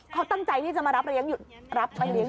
เขาตั้งใจตั้งแต่จะมารับไปเลี้ยง